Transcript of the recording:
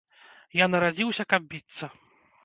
Я нарадзіўся, каб біцца.